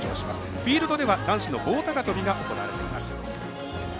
フィールドでは男子の棒高跳びが行われています。